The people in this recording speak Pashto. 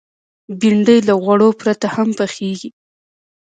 بېنډۍ له غوړو پرته هم پخېږي